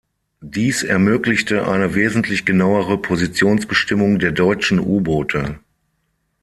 Dies ermöglichte eine wesentlich genauere Positionsbestimmung der deutschen U-Boote.